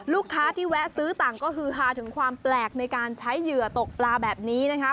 ลูกค้าที่แวะซื้อต่างก็ฮือฮาถึงความแปลกในการใช้เหยื่อตกปลาแบบนี้นะคะ